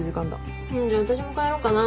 じゃあ私も帰ろっかな。